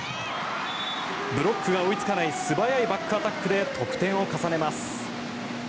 ブロックが追いつかない素早いバックアタックで得点を重ねます。